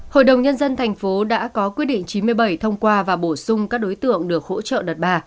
hội đồng nhân dân thành phố đã có quyết định chín mươi bảy thông qua và bổ sung các đối tượng được hỗ trợ đợt ba